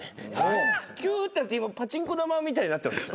キューってなって今パチンコ玉みたいになってます。